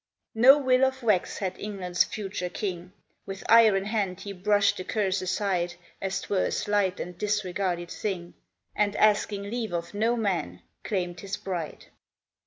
No will of wax had England's future King ; With iron hand he brushed the curse aside, As 't were a slight and disregarded thing, And asking leave of no man, claimed his bride.